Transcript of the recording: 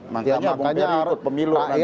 makanya pak perry ikut pemilu